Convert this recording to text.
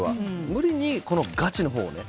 無理にガチなほうをね。